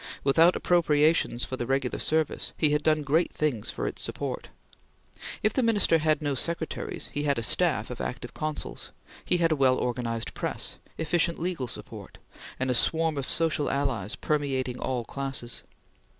Without appropriations for the regular service, he had done great things for its support. If the Minister had no secretaries, he had a staff of active consuls; he had a well organized press; efficient legal support; and a swarm of social allies permeating all classes.